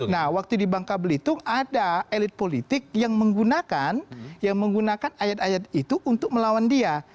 nah waktu di bangka belitung ada elit politik yang menggunakan ayat ayat itu untuk melawan dia